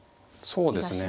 そうですね。